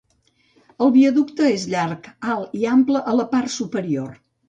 El viaducte és llarg, alt i ample a la part superior.